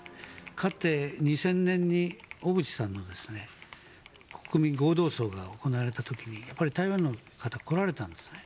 かつて２０００年に小渕さんの国民合同葬が行われた時に台湾の方、来られたんですね。